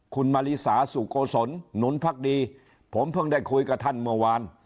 คุณมาริสาสุโกศลหนุนพักดีผมเพิ่งได้คุยกับท่านเมื่อวาน